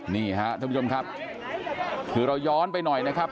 นี่ฮะท่านผู้ชมครับคือเราย้อนไปหน่อยนะครับ